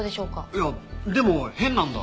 いやでも変なんだ。